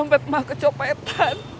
nopet ma kecopetan